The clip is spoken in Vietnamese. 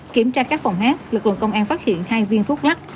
kiểm tra các phòng hát lực lượng công an phát hiện hai viên thuốc lắc